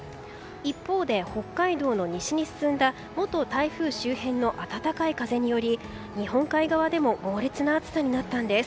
一方で、北海道の西に進んだ元台風周辺の暖かい風により日本海側でも猛烈な暑さになったんです。